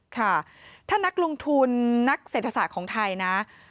ค่ะถ้านักลงทุนนักเศรษฐศาสตร์ของไทยนะ